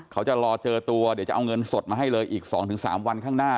เขาจะรอเจอตัวเดี๋ยวจะเอาเงินสดมาให้เลยอีก๒๓วันข้างหน้า